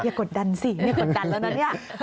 กดดันสิไม่กดดันแล้วนะเนี่ย